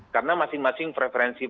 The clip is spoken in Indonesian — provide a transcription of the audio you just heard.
karena masing masing preferensi